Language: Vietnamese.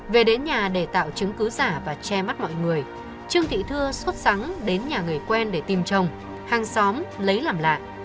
về đến nhà để tạo chứng cứ giả và che mắt mọi người trương thị thưa xuất sẵn đến nhà người quen để tìm chồng hàng xóm lấy làm lạ